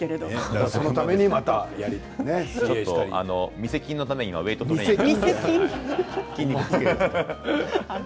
見せ筋のために今ウエイトトレーニングを。